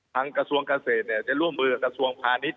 กระทรวงเกษตรจะร่วมมือกับกระทรวงพาณิชย